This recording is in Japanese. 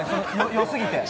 よすぎて。